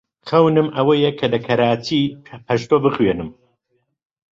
خەونم ئەوەیە کە لە کەراچی پەشتۆ بخوێنم.